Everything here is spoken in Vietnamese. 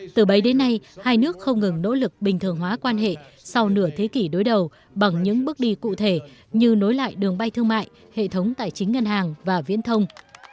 từ bấy đến nay hai nước không ngừng nỗ lực bình thường hóa quan hệ sau nửa thế kỷ đối đầu bằng những bước đi cụ thể như nối lại đường bay thương mại hệ thống tài chính ngân hàng và viễn thông